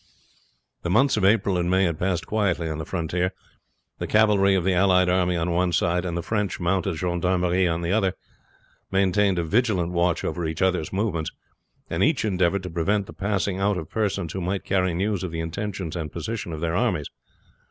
The months of April and May had passed quietly on the frontier. The cavalry of the allied army on one side, and the French mounted gendarmerie on the other, maintained a vigilant watch over each others' movements, and each endeavored to prevent the passing out of persons who might carry news of the intentions and position of their armies.